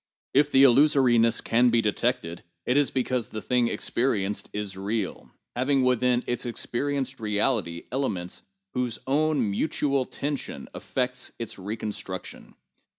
If the illusoriness can be detected, it is because the thing experienced is real, having within its experienced reality elements whose own mutual transcendence effects its reconstruction.